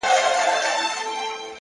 د زړه ملا مي راته وايي دغه ـ